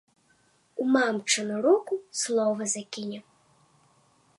У мамчыну руку слова закіне.